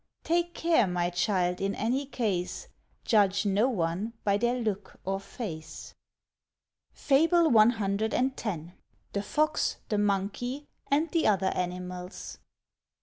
Take care, my child, in any case, Judge no one by their look or face." FABLE CX. THE FOX, THE MONKEY, AND THE OTHER ANIMALS.